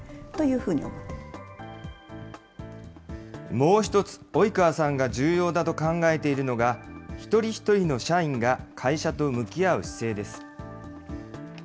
もう一つ、及川さんが重要だと考えているのが、一人一人の社員が会社と向き合う姿勢です。